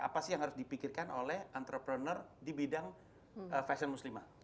apa sih yang harus dipikirkan oleh entrepreneur di bidang fashion muslimah